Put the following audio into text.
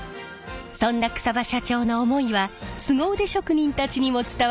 そんな草場社長の思いはスゴ腕職人たちにも伝わりました。